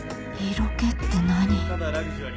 色気って何？